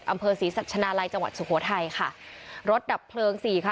อำเภอศรีสัชนาลัยจังหวัดสุโขทัยค่ะรถดับเพลิงสี่ค่ะ